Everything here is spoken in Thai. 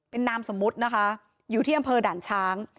เป็นนามสมมุตินะคะอยู่ที่อำเภอด่านช้าง